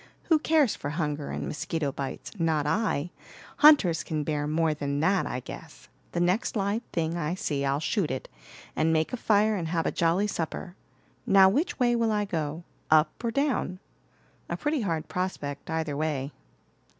Who cares for hunger and mosquito bites? Not I. Hunters can bear more than that, I guess. The next live thing I see I'll shoot it, and make a fire and have a jolly supper. Now which way will I go, up or down? A pretty hard prospect, either way."